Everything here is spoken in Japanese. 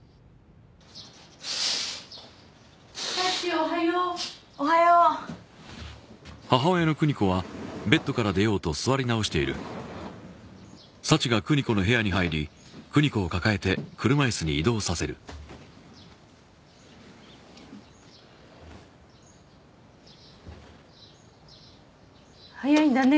おはようおはよう早いんだね